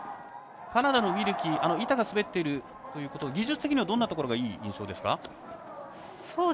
カナダのウィルキー板が滑っているということで技術的には、どんなところがいいという印象ですか？